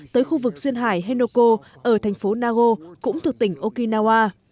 tới khu vực duyên hải henoko ở thành phố nago cũng thuộc tỉnh okinawa